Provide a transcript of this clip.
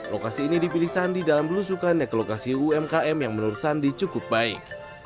lokasi ini dipilih sandi dalam belusukannya ke lokasi umkm yang menurut sandi cukup baik